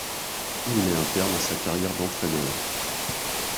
Il met un terme à sa carrière d'entraîneur.